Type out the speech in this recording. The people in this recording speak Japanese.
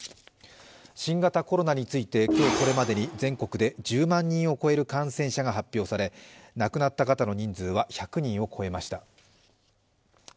新型コロナについて、今日これまでに全国で１０万人を超える感染者が発表され亡くなった方の人数は１００人を超えました。